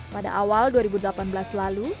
pada awal dua ribu delapan belas lalu